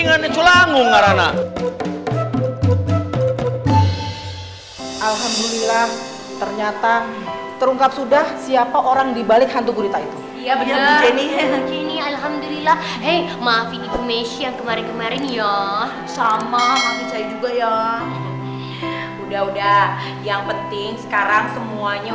alhamdulillah ternyata terungkap sudah siapa orang dibalik hantu burita itu